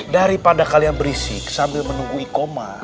daripada kalian berisik sambil menunggu ikomah